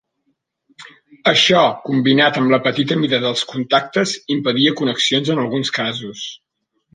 Això, combinat amb la petita mida dels contactes, impedia connexions en alguns casos.